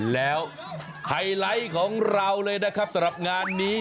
แล้วไฮไลท์ของเราเลยนะครับสำหรับงานนี้